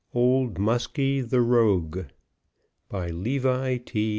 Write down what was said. OLD MUSKIE THE ROGUE BY LEVI T.